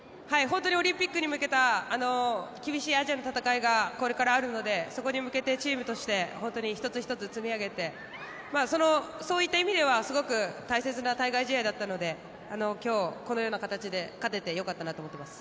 オリンピックに向けた厳しいアジアの戦いがこれからあるのでそこに向けてチームとして１つ１つ積み上げてそういった意味ではすごく大切な対外試合だったので今日、このような形で勝ててよかったなと思っています。